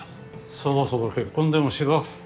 そろそろ結婚でもしろ。